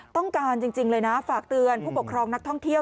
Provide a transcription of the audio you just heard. จริงเลยนะฝากเตือนผู้ปกครองนักท่องเที่ยว